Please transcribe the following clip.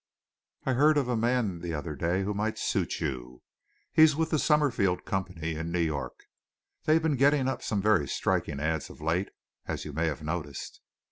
"I heard of a man the other day who might suit you. He's with the Summerfield Company in New York. They've been getting up some very striking ads of late, as you may have noticed."